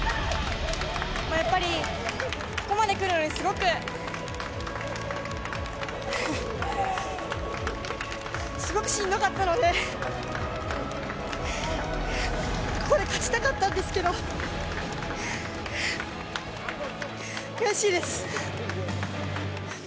やっぱりここまで来るのにすごく、すごくしんどかったんで、ここで勝ちたかったんですけど、悔しいです。